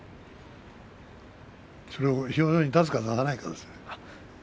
それを表情に出すか出さないかですよ。